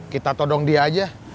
kita todong dia aja